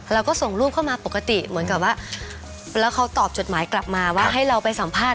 เราก็ส่งรูปเข้ามาปกติเหมือนกับว่าแล้วเขาตอบจดหมายกลับมาว่าให้เราไปสัมภาษ